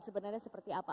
sebenarnya seperti apa